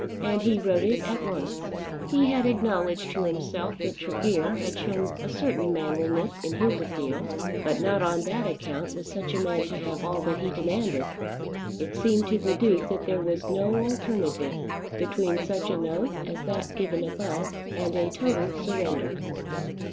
And he wrote it at once. He had acknowledged to himself that Tregear had shown a certain manliness in his appeal; but not on that account was such a man to have all that he demanded! It seemed to the Duke that there was no alternative between such a note as that given above and a total surrender.